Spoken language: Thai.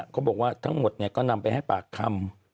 เขาบอกว่าทั้งหมดก็นำไปให้ปากคำ